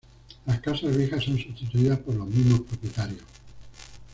Las casas viejas son sustituidas por los mismos propietarios.